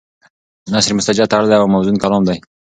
نثر مسجع تړلی او موزون کلام دی.